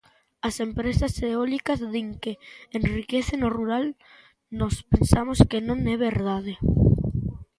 As empresas eólicas din que enriquecen o rural, nós pensamos que non é verdade.